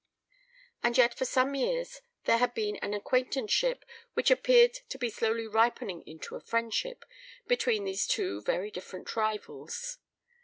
And yet for some years there had been an acquaintanceship which appeared to be slowly ripening into a friendship between these two very different rivals.